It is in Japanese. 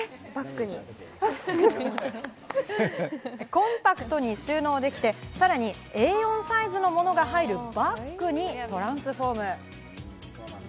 コンパクトに収納できて、さらにＡ４サイズのものが入るバッグにトランスフォーム。